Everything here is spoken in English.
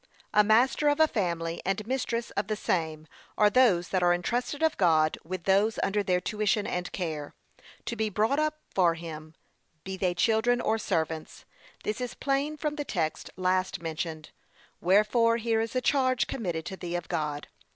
A master of a family, and mistress of the same, are those that are entrusted of God with those under their tuition and care, to be brought up for him, be they children or servants. This is plain from the text last mentioned; wherefore here is a charge committed to thee of God.